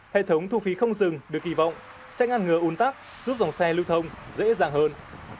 hệ thống thu phí không dừng được kỳ vọng sẽ ngăn ngừa un tắc giúp dòng xe lưu thông dễ dàng hơn